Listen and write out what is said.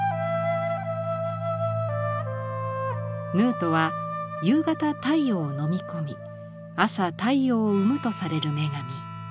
ヌウトは夕方太陽を飲み込み朝太陽を生むとされる女神。